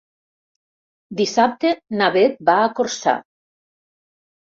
Dissabte na Beth va a Corçà.